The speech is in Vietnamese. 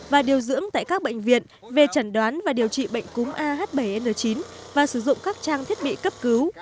và điều dưỡng tại các bệnh viện về trần đoán và điều trị bệnh cúm ah bảy n chín và sử dụng các trang thiết bị cấp cứu